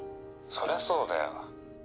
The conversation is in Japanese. そりゃそうだよ。